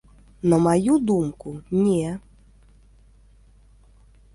На маю думку, не.